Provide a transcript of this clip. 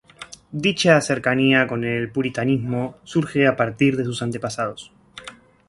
Dicha cercanía con el puritanismo surge a partir de sus antepasados.